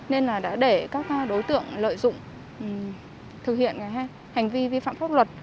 nên đã để các đối tượng lợi dụng thực hiện hành vi vi phạm